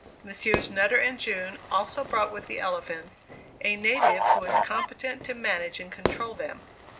Messrs. Nutter and June also brought with the elephants a native who was competent to manage and control them.